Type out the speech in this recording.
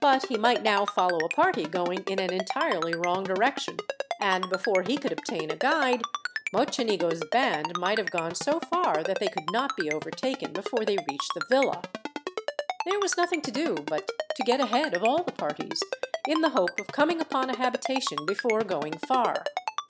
But he might now follow a party going in an entirely wrong direction, and before he could obtain a guide, Mocenigo's band might have gone so far that they could not be overtaken before they reached the villa. There was nothing to do but to get ahead of all the parties, in the hope of coming upon a habitation before going far.